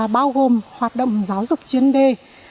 bao gồm hoạt động giáo dục chuyên đề